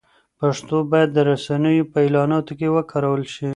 پښتو باید د رسنیو په اعلاناتو کې وکارول شي.